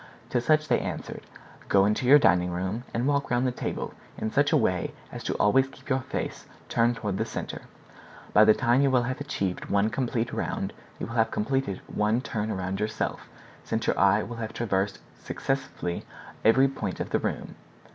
To such they answered, "Go into your dining room, and walk round the table in such a way as to always keep your face turned toward the center; by the time you will have achieved one complete round you will have completed one turn around yourself, since your eye will have traversed successively every point of the room.